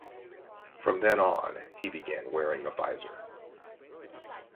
From then on, he began wearing a visor.